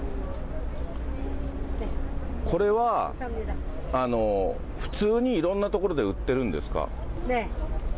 これは普通にいろんな所で売ってるんですか？